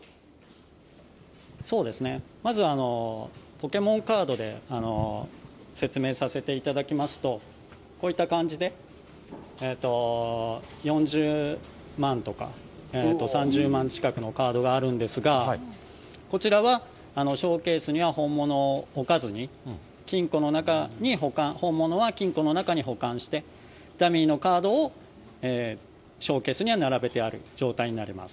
そうですね、まずポケモンカードで説明させていただきますと、こういった感じで、４０万とか、３０万近くのカードがあるんですが、こちらはショーケースには本物を置かずに、金庫の中に、本物は金庫の中に保管して、ダミーのカードをショーケースには並べてある状態になります。